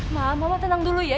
maaf mama tenang dulu ya